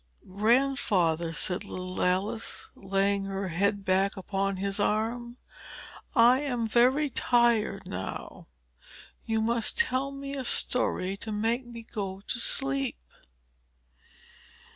"Grandfather," said little Alice, laying her head back upon his arm, "I am very tired now. You must tell me a story to make me go to sleep."